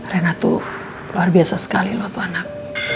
rena tuh luar biasa sekali loh tuh anak